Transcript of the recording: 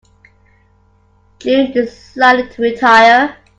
June decided to retire.